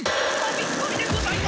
びっくりでございます。